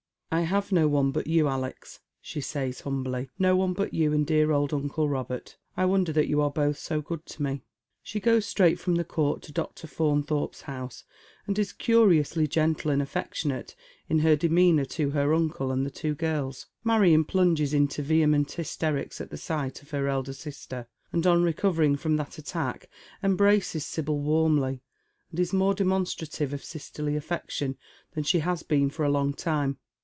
" I have no one but you, Alex," she says humbly ;" no one but you and dear old uncle Robert. I wonder that you are both BO good to me." She goes straight fi om the court to Dr. Faunthorpe's house, and is curiously gentle and affectionate in her demeanour to her uncle and the two girls. Marion plunges into vehement hysterics at sight of her elder sister, and on recovering from that attack embraces Sibyl warmly, and is more demonstrative of sisterly alTection than she has been for a long time.